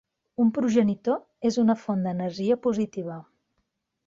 Un progenitor és una font d'energia positiva.